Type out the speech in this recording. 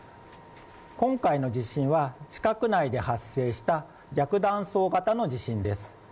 今回の地震は地殻内で発生した逆断層型の地震です。